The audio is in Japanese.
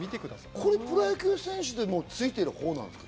これ、プロ野球選手でついてるほうですか？